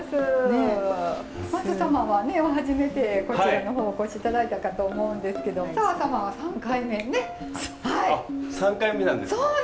ＭＡＴＳＵ様は初めてこちらの方お越しいただいたかと思うんですけど砂羽様は３回目ねっ。